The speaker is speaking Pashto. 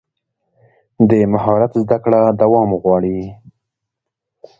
د مهارت زده کړه دوام غواړي.